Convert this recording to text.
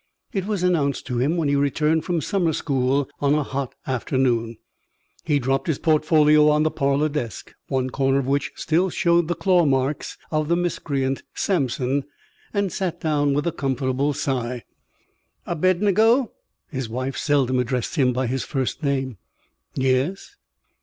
It was announced to him when he returned from summer school on a hot afternoon. He dropped his portfolio on the parlour desk, one corner of which still showed the claw marks of the miscreant Samson, and sat down with a comfortable sigh. "Abednego." His wife seldom addressed him by his first name. "Yes?"